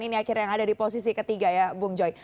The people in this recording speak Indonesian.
ini akhirnya yang ada di posisi ketiga ya bung joy